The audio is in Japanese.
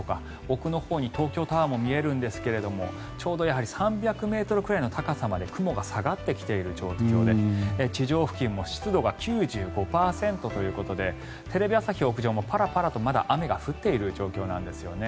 奥のほうに東京タワーも見えるんですけれどもちょうど３００ｍくらいの高さまで雲が下がってきている状況で地上付近も湿度が９５％ということでテレビ朝日屋上もパラパラとまだ雨が降っている状況なんですね。